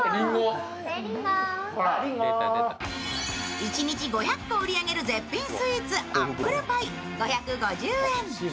一日５００個売り上げる絶品スイーツ、アップルパイ５５０円。